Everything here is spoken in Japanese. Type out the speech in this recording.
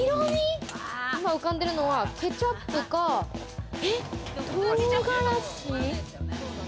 今浮かんでるのは、ケチャップか、唐辛子。